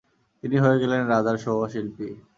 তিনি হয়ে গেলেন রাজার সভাশিল্পী।